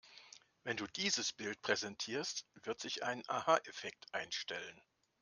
Wenn du dieses Bild präsentierst, wird sich ein Aha-Effekt einstellen.